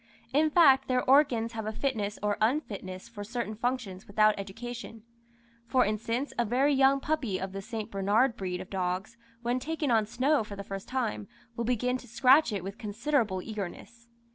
In fact, their organs have a fitness or unfitness for certain functions without education; for instance, a very young puppy of the St. Bernard breed of dogs, when taken on snow for the first time, will begin to scratch it with considerable eagerness.